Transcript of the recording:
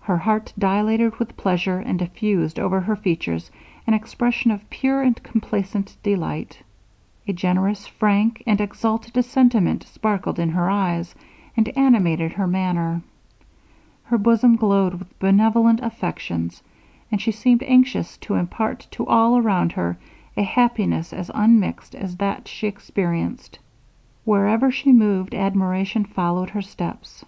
Her heart dilated with pleasure, and diffused over her features an expression of pure and complacent delight. A generous, frank, and exalted sentiment sparkled in her eyes, and animated her manner. Her bosom glowed with benevolent affections; and she seemed anxious to impart to all around her, a happiness as unmixed as that she experienced. Wherever she moved, admiration followed her steps.